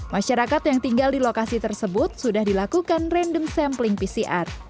masyarakat yang tinggal di lokasi tersebut sudah dilakukan random sampling pcr